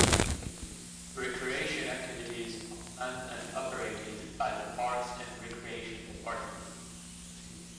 Recreation activities are planned and operated by the Parks and Recreation Department.